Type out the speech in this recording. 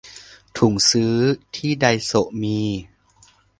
ถุงซื้อที่ไดโซะมี